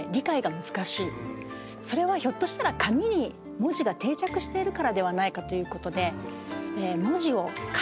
それはひょっとしたら紙に文字が定着しているからではないかということで。